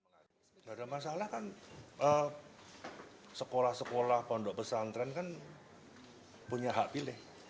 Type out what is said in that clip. tidak ada masalah kan sekolah sekolah pondok pesantren kan punya hak pilih